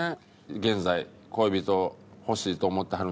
現在恋人欲しいと思ってはるんでしょうか？